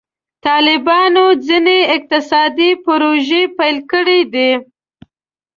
طالبانو ځینې اقتصادي پروژې پیل کړي دي.